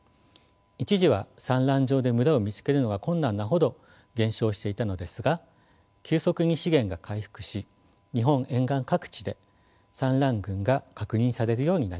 一時は産卵場で群れを見つけるのが困難なほど減少していたのですが急速に資源が回復し日本沿岸各地で産卵群が確認されるようになりました。